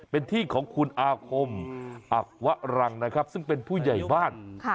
เป็นที่ของคุณอาคมอักวะรังนะครับซึ่งเป็นผู้ใหญ่บ้าน